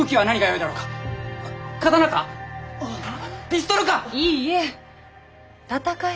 いいえ。